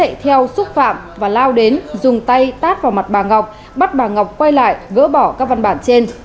bà ngọc đi về theo xúc phạm và lao đến dùng tay tát vào mặt bà ngọc bắt bà ngọc quay lại gỡ bỏ các văn bản trên